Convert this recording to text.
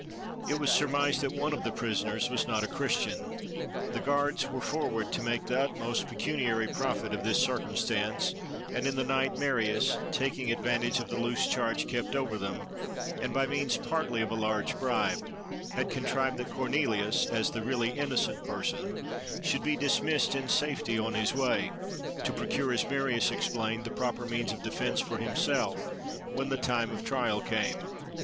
It was surmised that one of the prisoners was not a Christian: the guards were forward to make the utmost pecuniary profit of this circumstance, and in the night, Marius, taking advantage of the loose charge kept over them, and by means partly of a large bribe, had contrived that Cornelius, as the really innocent person, should be dismissed in safety on his way, to procure, as Marius explained, the proper means of defence for himself, when the time of trial came.